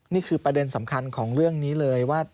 นี่คือประเด็นสำคัญของเรื่องนี้เลยว่า